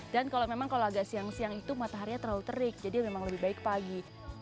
dan kalau memang kalau agak siang siang itu matahari terlalu terik jadi memang lebih baik pagi